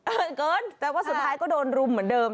เกินแต่ว่าสุดท้ายก็โดนรุมเหมือนเดิม